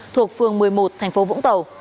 thuộc phường một mươi một thành phố vũng tàu